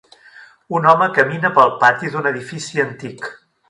Un home camina pel pati d'un edifici antic.